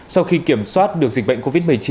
sau khi kiểm soát được dịch bệnh covid một mươi chín